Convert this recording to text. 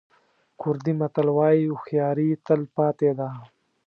کوردي متل وایي هوښیاري تل پاتې ده.